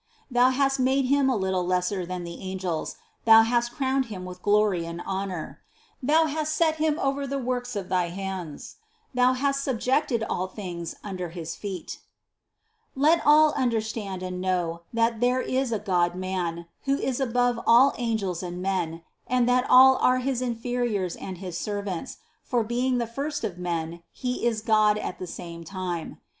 Thou hast made him a little lesser than the Angels, Thou hast crowned him with glory and honor! Thou has set him over the works of thy hands; Thou hast subjected all things under his feet." Let all understand and know, that there is a Godman, who is above all angels and men, and that all are his in feriors and his servants, for being the first of men, He is God at the same time.